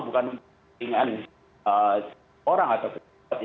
bukan untuk kepentingan orang atau